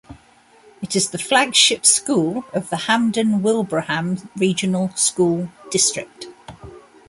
It is the flagship school of the Hampden-Wilbraham Regional School District.